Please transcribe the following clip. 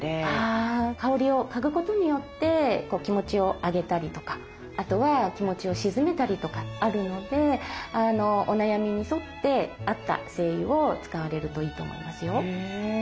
あ香りを嗅ぐことによって気持ちを上げたりとかあとは気持ちを静めたりとかあるのでお悩みに沿って合った精油を使われるといいと思いますよ。